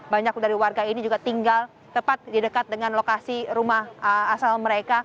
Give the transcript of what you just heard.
banyak dari warga ini juga tinggal tepat di dekat dengan lokasi rumah asal mereka